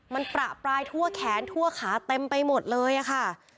มันประปรายทั่วแขนทั่วขาเต็มไปหมดเลยค่ะ